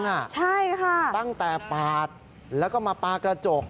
ใช่ค่ะตั้งแต่ปาดแล้วก็มาปลากระจก